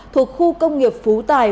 thuộc khu công nghiệp phú tài